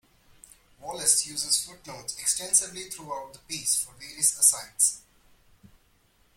Wallace uses footnotes extensively throughout the piece for various asides.